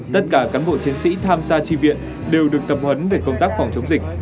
tất cả cán bộ chiến sĩ tham gia tri viện đều được tập huấn về công tác phòng chống dịch